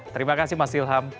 terima kasih mas ilham